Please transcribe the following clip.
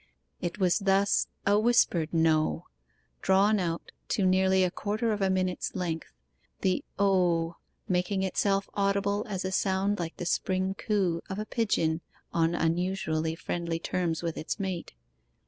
It was thus a whispered No, drawn out to nearly a quarter of a minute's length, the O making itself audible as a sound like the spring coo of a pigeon on unusually friendly terms with its mate.